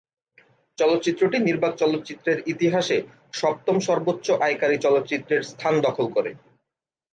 চলচ্চিত্রটি নির্বাক চলচ্চিত্রের ইতিহাসে সপ্তম সর্বোচ্চ আয়কারী চলচ্চিত্রের স্থান দখল করে।